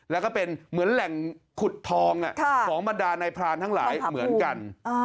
แล้วก็เป็นเหมือนแหล่งขุดทองของบรรดานายพรานทั้งหลายเหมือนกัน